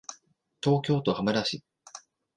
東京都羽村市